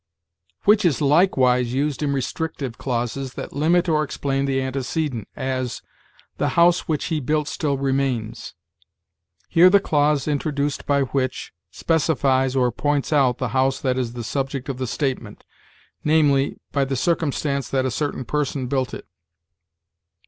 "Which is likewise used in restrictive clauses that limit or explain the antecedent; as, 'The house which he built still remains.' Here the clause introduced by which specifies, or points out, the house that is the subject of the statement, namely, by the circumstance that a certain person built it.